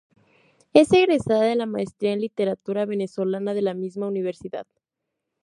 Es egresada de la Maestría en Literatura Venezolana de la misma Universidad.